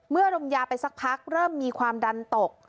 ดมยาไปสักพักเริ่มมีความดันตก